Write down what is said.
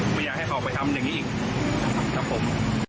ไม่อยากให้เขาไปทำอย่างนี้อีกนะครับผม